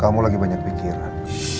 kamu lagi banyak pikiran